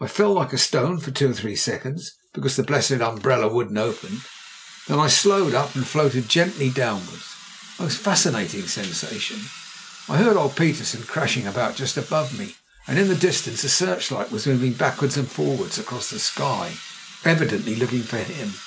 I fell like a stone for two or three seconds, because the blessed umbrella wouldn't open. Then I slowed up and floated gently downwards. It was a most fascinating sensa tion. I heard old Petersen crashing about just above me; and in the distance a searchlight was moving backwards and forwards across the sky, evidently look ing for him.